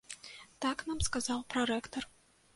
Так нам сказаў прарэктар.